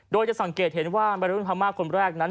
โดยจะสังเกตเห็นว่าวัยรุ่นพม่าคนแรกนั้น